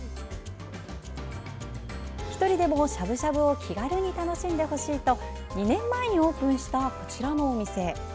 １人でもしゃぶしゃぶを気軽に楽しんでほしいと２年前にオープンしたこちらのお店。